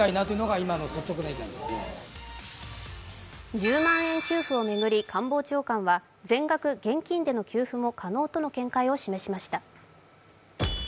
１０万円給付を巡り官房長官は、全額現金での給付も可能との見解を示しました。